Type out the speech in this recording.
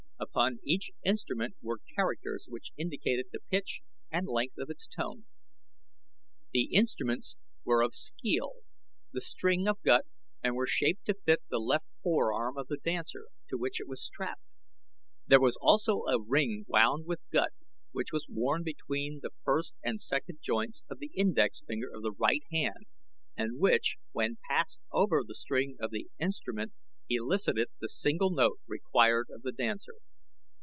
Upon each instrument were characters which indicated the pitch and length of its tone. The instruments were of skeel, the string of gut, and were shaped to fit the left forearm of the dancer, to which it was strapped. There was also a ring wound with gut which was worn between the first and second joints of the index finger of the right hand and which, when passed over the string of the instrument, elicited the single note required of the dancer.